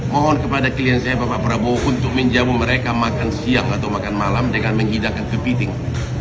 mohon kepada klien saya bapak prabowo untuk menjamu mereka makan siang atau makan malam dengan menghidangkan kepiting